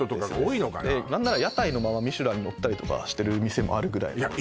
何なら屋台のままミシュランに載ったりとかしてる店もあるぐらいなのでいや